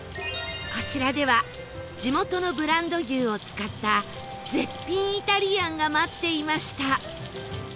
こちらでは地元のブランド牛を使った絶品イタリアンが待っていました